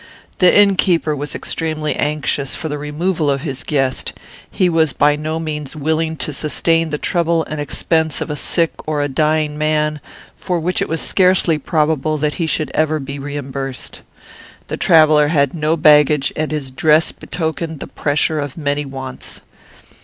The innkeeper was extremely anxious for the removal of his guest. He was by no means willing to sustain the trouble and expense of a sick or a dying man, for which it was scarcely probable that he should ever be reimbursed. The traveller had no baggage, and his dress betokened the pressure of many wants.